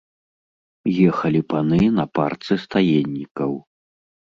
Ехалі паны на парцы стаеннікаў.